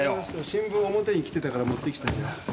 新聞表に来てたから持ってきたんだ。